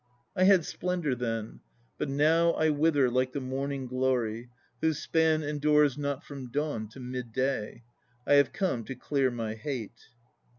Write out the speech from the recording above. I had splendour then; But now I wither like the Morning Glory Whose span endures not from dawn to midday. I have come to clear my hate.